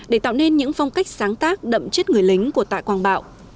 để tạo nên những phong cách sáng tác đậm chất người lính của tạ quang bảo